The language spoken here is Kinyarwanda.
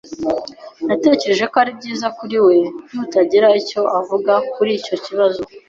Natekereje ko ari byiza kuri we kutagira icyo avuga kuri icyo kibazo.